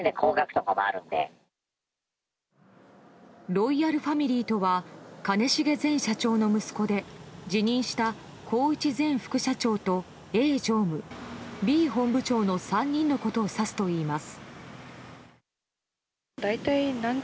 ロイヤルファミリーとは兼重前社長の息子で辞任した宏一前副社長とＡ常務、Ｂ本部長の３人のことを指すといいます。